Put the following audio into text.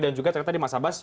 dan juga tadi mas abas